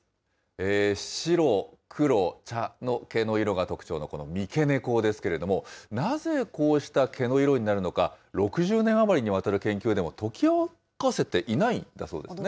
白、黒、茶の毛の色が特徴のこの三毛猫ですけれども、なぜこうした毛の色になるのか、６０年余りにわたる研究でも解き明かせていないんだそうですね。